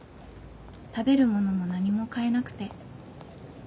食べるものも何も買えなくて。